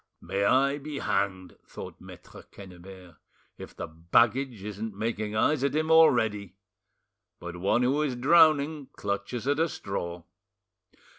"May I be hanged!" thought Maitre Quennebert, "if the baggage isn't making eyes at him already! But one who is drowning clutches at a straw."